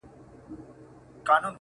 • واری د قدرت له نشې مستو لېونیو دی,